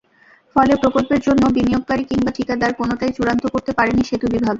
ফলে প্রকল্পের জন্য বিনিয়োগকারী কিংবা ঠিকাদার—কোনোটাই চূড়ান্ত করতে পারেনি সেতু বিভাগ।